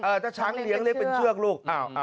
เออถ้าช้างเลี้ยงเรียกเป็นเชือกลูก